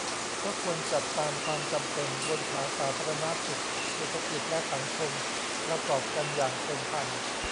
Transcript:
ก็ควรจัดตามความจำเป็น บนฐานสาธารณสุข เศรษฐกิจ และสังคม ประกอบกันอย่างเป็นธรรม